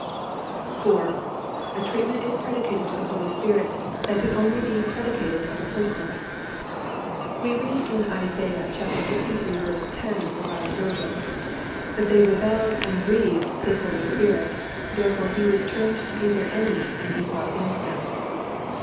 IV. A treatment is predicated to the Holy Spirit that could only be predicated of a Person. We read in Isa. lxiii. 10, R. V., "But they rebelled and grieved His Holy Spirit: therefore He was turned to be their enemy, and He fought against them."